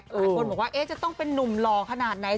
หลายคนบอกว่าจะต้องเป็นนุ่มหล่อขนาดไหน